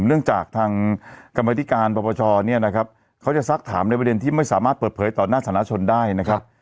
เนื่องจากทางกรรมธิการปรปชเนี่ยนะครับเขาจะซักถามในประเด็นที่ไม่สามารถเปิดเผยต่อหน้าสถานชนได้นะครับ